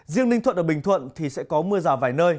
riêng ninh thuận và bình thuận thì sẽ có mưa rào vài nơi